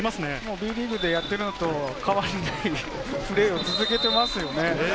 Ｂリーグでやっているのと変わりないプレーを続けていますよね。